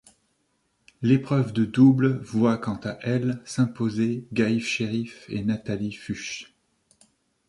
L'épreuve de double voit quant à elle s'imposer Gail Sherriff et Nathalie Fuchs.